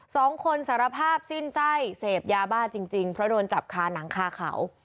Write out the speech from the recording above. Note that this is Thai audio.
สองคนสารภาพสิ้นใจเสพยาบ้าจริงเพราะโดนจับคาหนังคาเขา